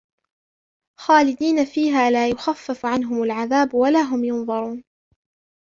خالدين فيها لا يخفف عنهم العذاب ولا هم ينظرون